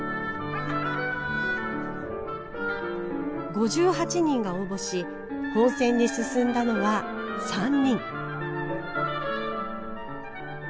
５８人が応募し本選に進んだのは３人。